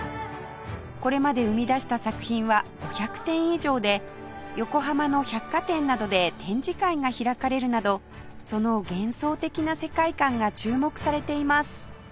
これまで生み出した作品は５００点以上で横浜の百貨店などで展示会が開かれるなどその幻想的な世界観が注目されています